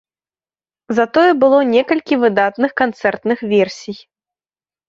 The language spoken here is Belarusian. Затое было некалькі выдатных канцэртных версій.